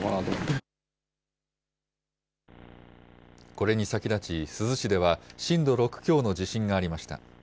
これに先立ち、珠洲市では震度６強の地震がありました。